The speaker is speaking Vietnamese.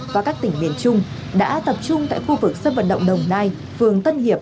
và các tỉnh miền trung đã tập trung tại khu vực xâm vận động đồng nai phường tân hiệp